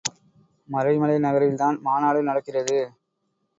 மறைமலை நகரில் தான் மாநாடு நடக்கிறது.